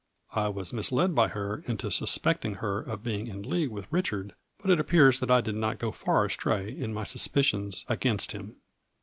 I was misled by her into suspecting her of being in league with Richard, but it appears that I did not go far astray in my suspicions against him.